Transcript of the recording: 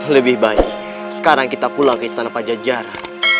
lebih baik sekarang kita pulang ke istana pajajaran